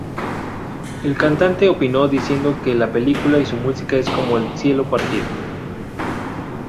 El cantante opinó diciendo que la película y su música es como "cielo partido.